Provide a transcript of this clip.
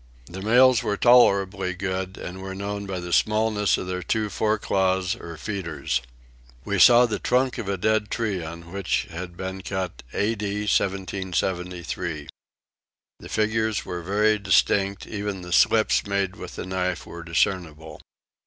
The males were tolerably good and were known by the smallness of their two fore claws or feeders. We saw the trunk of a dead tree on which had been cut A.D. 1773. The figures were very distinct; even the slips made with the knife were discernible.